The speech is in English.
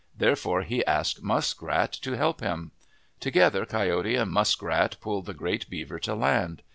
Therefore he asked Muskrat to help him. Together Coyote and Musk rat pulled the great beaver to land.